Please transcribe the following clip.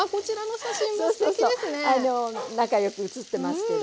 仲良く写ってますけど。